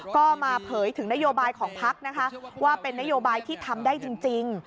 ก็มาเผยถึงนโยบายของพักนะคะว่าเป็นนโยบายที่ทำได้จริง